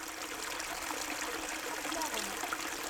Aql-aɣ-n.